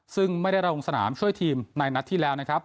ซึ่งไม่ได้ลงสนามช่วยทีมในนัดที่แล้วนะครับ